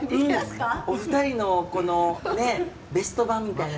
お二人のベスト版みたいな。